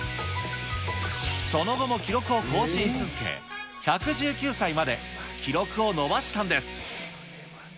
その後も記録を更新し続け、１１９歳まで記録を伸ばしたんです。